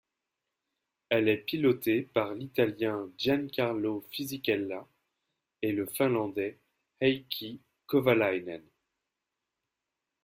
Elle est pilotée par l'Italien Giancarlo Fisichella et le Finlandais Heikki Kovalainen.